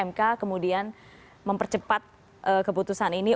mk kemudian mempercepat keputusan ini